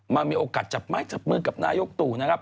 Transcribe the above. มีโอกาสจับไม้จับมือกับนายกตู่นะครับ